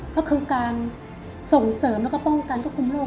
ก็คือการส่งเสริมแล้วก็ป้องกันควบคุมโรค